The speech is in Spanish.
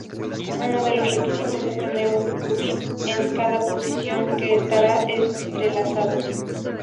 Uno de los requisitos es tener un qubit en cada posición, que estarán entrelazados.